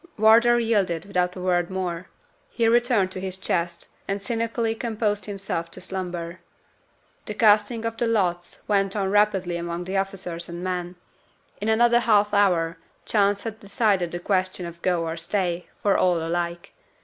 Wardour yielded without a word more. He returned to his chest, and cynically composed himself to slumber. The casting of the lots went on rapidly among the officers and men. In another half hour chance had decided the question of "Go" or "Stay" for all alike.